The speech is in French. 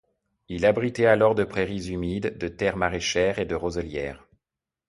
Il abritait alors de prairies humides, de terres maraîchères et de roselières.